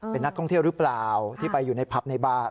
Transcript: เป็นนักท่องเที่ยวหรือเปล่าที่ไปอยู่ในผับในบ้าน